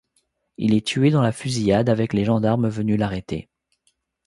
Il est tué dans la fusillade avec les gendarmes venus l'arrêter.